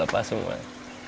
lepas semua ya